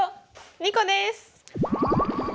２個です。